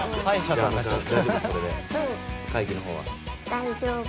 大丈夫。